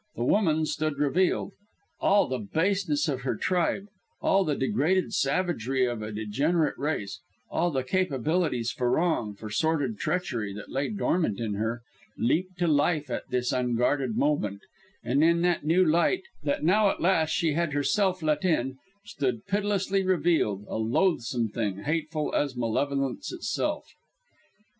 The woman stood revealed. All the baseness of her tribe, all the degraded savagery of a degenerate race, all the capabilities for wrong, for sordid treachery, that lay dormant in her, leaped to life at this unguarded moment, and in that new light, that now at last she had herself let in, stood pitilessly revealed, a loathsome thing, hateful as malevolence itself.